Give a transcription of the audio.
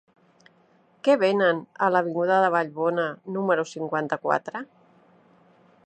Què venen a l'avinguda de Vallbona número cinquanta-quatre?